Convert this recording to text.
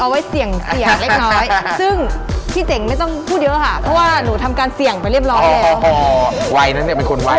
เอาไว้เสี่ยงเสี่ยงเล็กน้อย